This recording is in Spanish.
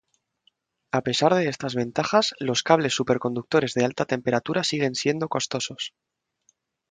A pesar de estas ventajas, los cables superconductores de alta temperatura siguen siendo costosos.